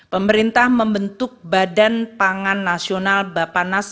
pemerintah membentuk badan pangan nasional bapanas